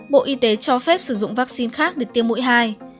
bộ y tế cho phép sử dụng vaccine khác để tiêm mũi hai